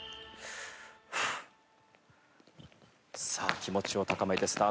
さあ気持ちを高めてスタートした。